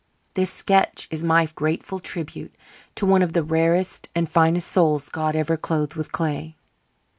This sketch is my grateful tribute to one of the rarest and finest souls God ever clothed with clay.